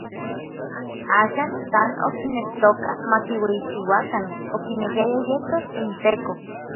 Axan san okinektoka makiueyichiuakan, okinekiaya yetos inTeko.